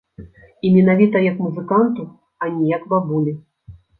І менавіта як музыканту, а не як бабулі.